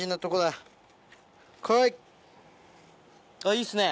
いいっすね。